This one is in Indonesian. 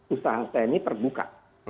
usaha saya ini terbuka